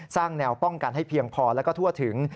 สร้างแนวป้องกันให้เพียงพอและก็ทั่วถึง